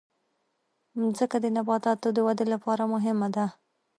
مځکه د نباتاتو د ودې لپاره مهمه ده.